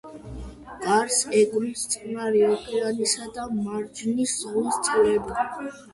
გარს ეკვრის წყნარი ოკეანისა და მარჯნის ზღვის წყლები.